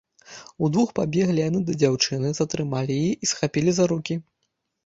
Удвух пабеглі яны да дзяўчыны, затрымалі яе і схапілі за рукі.